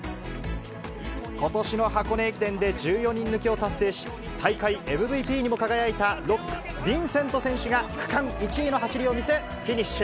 ことしの箱根駅伝で、１４人抜きを達成し、大会ＭＶＰにも輝いた、６区、ヴィンセント選手が区間１位の走りを見せ、フィニッシュ。